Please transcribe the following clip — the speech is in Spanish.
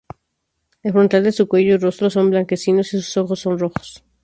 El frontal de su cuello y rostro son blanquecinos y sus ojos son rojos.